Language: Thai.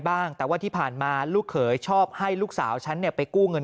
บ้างแต่ว่าที่ผ่านมาลูกเขยชอบให้ลูกสาวฉันเนี่ยไปกู้เงิน